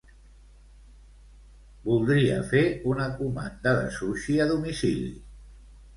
Voldria fer una comanda de sushi a domicili.